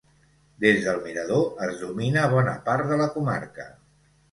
Des del mirador es domina bona part de la comarca.